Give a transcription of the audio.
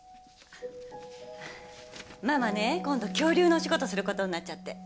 ママね今度恐竜のお仕事することになっちゃって。